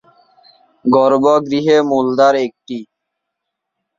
গর্ভগৃহে মূল দ্বার একটি।